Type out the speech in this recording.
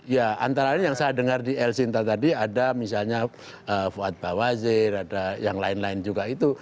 ya antara lain yang saya dengar di el sinta tadi ada misalnya fuad bawazir ada yang lain lain juga itu